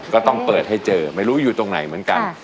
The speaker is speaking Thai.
ก็ต้องเปิดให้เจอไม่รู้อยู่ตรงไหนเหมือนกัน